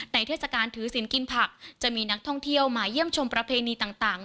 เทศกาลถือศิลป์กินผักจะมีนักท่องเที่ยวมาเยี่ยมชมประเพณีต่าง